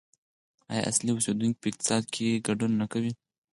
آیا اصلي اوسیدونکي په اقتصاد کې ګډون نه کوي؟